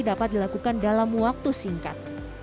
dilakukan dalam waktu singkat